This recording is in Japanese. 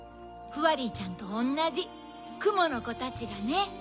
フワリーちゃんとおんなじくものコたちがね。